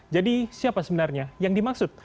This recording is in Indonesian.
jadi siapa sebenarnya yang dimaksud